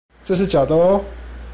這是假的喔